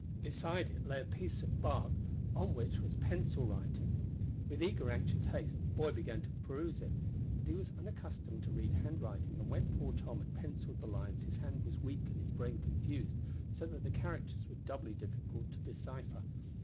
Beside it lay a piece of bark on which was pencil writing. With eager, anxious haste the boy began to peruse it, but he was unaccustomed to read handwriting, and when poor Tom had pencilled the lines his hand was weak and his brain confused, so that the characters were doubly difficult to decipher.